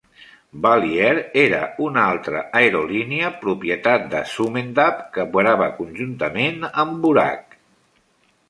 Bali Air era una altra aerolínia propietat de Sumendap que operava conjuntament amb Bouraq.